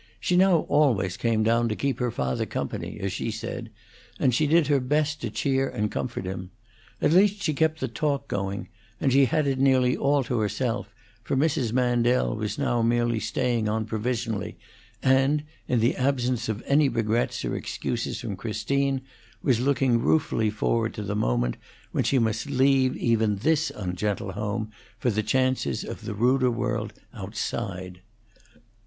She now always came down to keep her father company, as she said, and she did her best to cheer and comfort him. At least she kept the talk going, and she had it nearly all to herself, for Mrs. Mandel was now merely staying on provisionally, and, in the absence of any regrets or excuses from Christine, was looking ruefully forward to the moment when she must leave even this ungentle home for the chances of the ruder world outside.